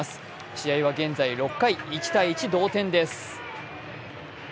試合は現在６回、１−１同点です。